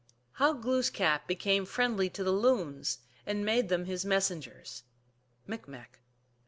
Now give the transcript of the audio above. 1 How Glooskap became friendly to the Loons, and made them his Messengers. (Micmac.)